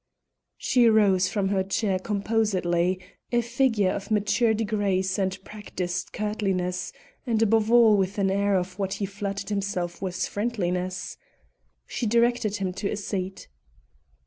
She rose from her chair composedly, a figure of matured grace and practised courtliness, and above all with an air of what he flattered himself was friendliness. She directed him to a seat.